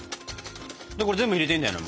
これ全部入れていいんだよね？